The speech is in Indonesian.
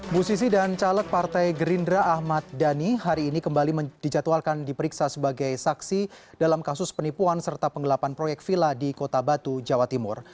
musisi dan caleg partai gerindra ahmad dhani hari ini kembali dijadwalkan diperiksa sebagai saksi dalam kasus penipuan serta penggelapan proyek villa di kota batu jawa timur